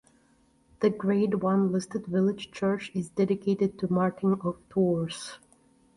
The Grade One listed village church is dedicated to Martin of Tours.